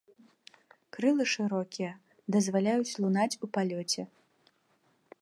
Крылы шырокія, дазваляюць лунаць у палёце.